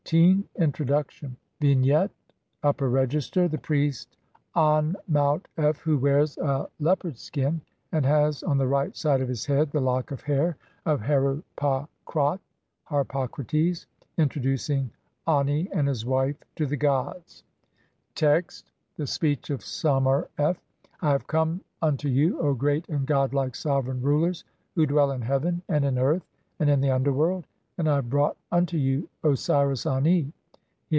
— Introduction. [From the Papyrus of Ani (Brit. Mus. No. 10,470, sheet 12).] Vignette : (Upper register) : The priest An maut f , who wears a leo pard's skin, and has on the right side of his head the lock of hair of Heru pa khrat (Harpocrates), introducing Ani and his wife to the gods. I. Text : [The Speech of Sa mer f] (1) "I have come unto "you, O great and godlike sovereign rulers who dwell in heaven, "and in earth, and (2) in the underworld, and I have brought "unto you Osiris Ani.